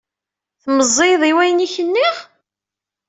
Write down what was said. Tmeyyzeḍ i wayen i k-nniɣ?